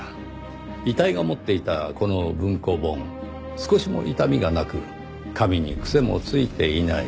遺体が持っていたこの文庫本少しも傷みがなく紙に癖もついていない。